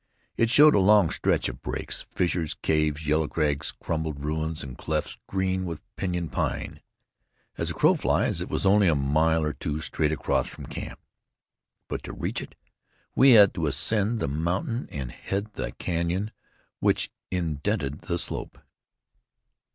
It showed a long stretch of breaks, fissures, caves, yellow crags, crumbled ruins and clefts green with pinyon pine. As a crow flies, it was only a mile or two straight across from camp, but to reach it, we had to ascend the mountain and head the canyon which deeply indented the slope.